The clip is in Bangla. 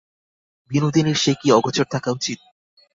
বিনোদিনীর সে কি অগোচর থাকা উচিত।